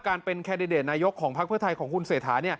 การเป็นแคดเดตนายกของภักดิ์เพื่อไทยของคุณเสถา